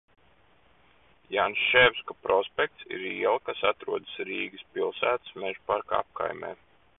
Janševska prospekts ir iela, kas atrodas Rīgas pilsētas Mežaparka apkaimē.